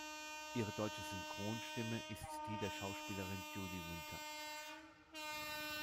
Ihre deutsche Synchronstimme ist die der Schauspielerin Judy Winter.